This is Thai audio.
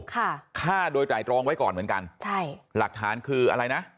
ฆ่าโดยไตรตรองไว้ก่อนเหมือนกันใช่หลักฐานคืออะไรนะ